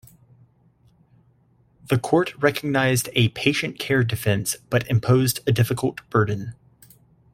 The court recognized a "patient care defense," but imposed a difficult burden.